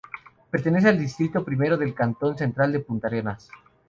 Pertenece al distrito primero del cantón central de Puntarenas.